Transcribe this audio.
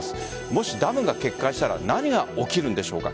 もしダムが決壊したら何が起きるんでしょうか。